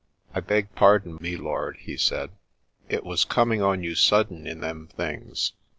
" I beg pardon, me lord," he said. " It was com ing on you sudden in them things.